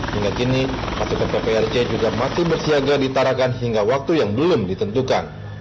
hingga kini pasukan pprc juga masih bersiaga di taragan hingga waktu yang belum ditentukan